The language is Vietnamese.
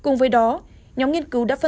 cùng với đó các nhà nghiên cứu cho biết